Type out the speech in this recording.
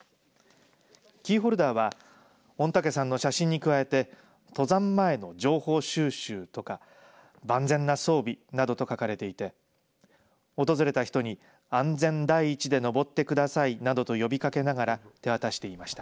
キーホルダーは御嶽山の写真に加えて登山前の情報収集とか万全な装備などと書かれていて訪れた人に安全第一で登ってくださいなどと呼びかけながら手渡していました。